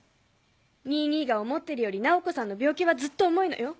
ニイ兄が思ってるより菜穂子さんの病気はずっと重いのよ。